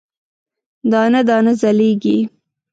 دانه، دانه ځلیږې